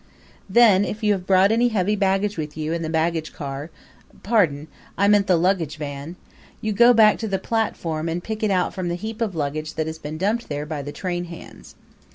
Then, if you have brought any heavy baggage with you in the baggage car pardon, I meant the luggage van you go back to the platform and pick it out from the heap of luggage that has been dumped there by the train hands.